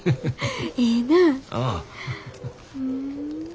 ええなぁ。